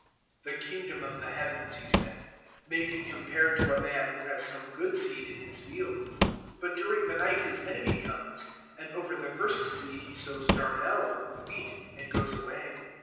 "The Kingdom of the Heavens," He said, "may be compared to a man who has sown good seed in his field, 013:025 but during the night his enemy comes, and over the first seed he sows darnel among the wheat, and goes away.